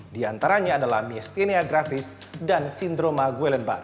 di antaranya adalah myasthenia gravis dan sindroma guellenbach